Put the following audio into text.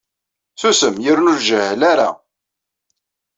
Susem yerna ur jehhel ara!